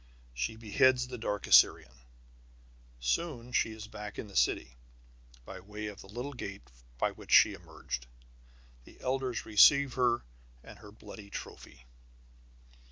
She beheads the dark Assyrian. Soon she is back in the city, by way of the little gate by which she emerged. The elders receive her and her bloody trophy.